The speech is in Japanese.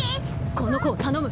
この子を頼む。